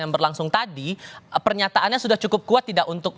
yang berlangsung tadi pernyataannya sudah cukup kuat tidak untuk